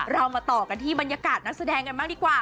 เรามาต่อกันที่บรรยากาศนักแสดงกันบ้างดีกว่า